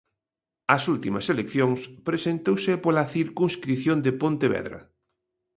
Ás últimas eleccións presentouse pola circunscrición de Pontevedra.